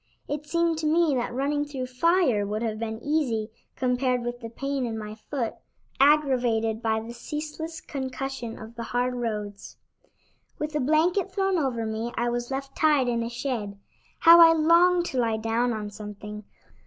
It seemed to me that running through fire would have been easy compared with the pain in my foot, aggravated by the ceaseless concussion of the hard roads. With a blanket thrown over me, I was left tied in a shed. How I longed to lie down on something!